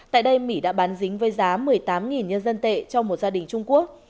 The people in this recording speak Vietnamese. tại đây mỹ đã bán dính với giá một mươi tám nhân dân tệ cho một gia đình trung quốc